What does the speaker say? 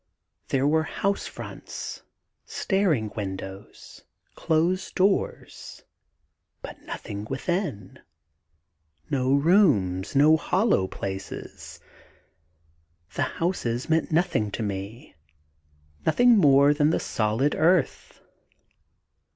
There were house fronts, staring windows, closed doors, but nothing within; no rooms, no hollow places. The houses meant nothing to me, nothing more than the solid earth.